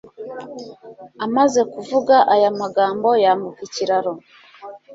Amaze kuvuga aya magambo yambuka ikiraro